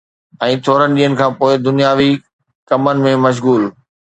۽ ٿورن ڏينهن کان پوءِ دنياوي ڪمن ۾ مشغول